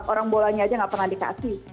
orang bolanya aja gak pernah dikasih